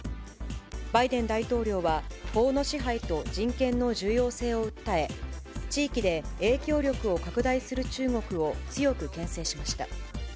バイデン大統領は、法の支配と人権の重要性を訴え、地域で影響力を拡大する中国を強くけん制しました。